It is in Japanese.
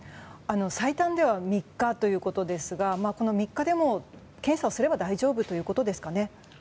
最短では３日ということですがこの３日でも、検査をすれば大丈夫ということですかね。